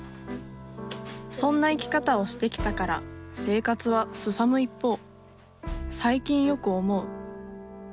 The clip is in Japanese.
そんな生き方をしてきたから生活はすさむ一方。